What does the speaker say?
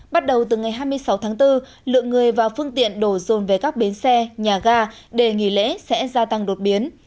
bắt đầu từ ngày hai mươi sáu tháng bốn lượng người và phương tiện đổ rồn về các bến xe nhà ga để nghỉ lễ sẽ gia tăng đột biến